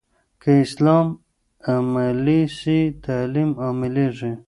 که اسلام عملي سي، تعلیم عامېږي.